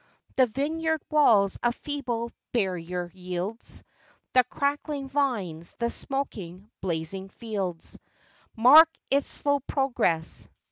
The vineyard walls a feeble barrier yields ; The crackling vines, the smoking, blazing fields Mark its slow progress.